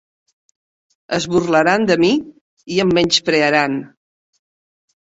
Es burlaran de mi i em menysprearan.